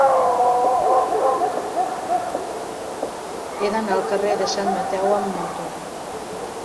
He d'anar al carrer de Sant Mateu amb moto.